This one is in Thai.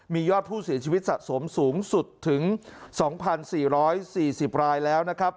มียอดผู้เสียชีวิตสะสมสูงสุดถึง๒๔๔๐รายแล้วนะครับ